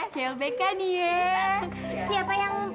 cewek cewek kan nih ya